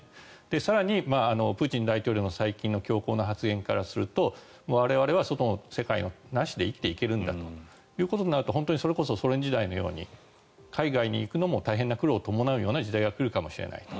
更に、プーチン大統領の最近の強硬な発言からすると我々は外の世界なしで生きていけるんだということになると本当にそれこそソ連時代のように海外に行くのも大変な苦労を伴う時代が来るかもしれないと。